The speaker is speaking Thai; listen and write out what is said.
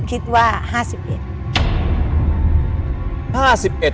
รู้ค่ะเราคิดว่า๕๑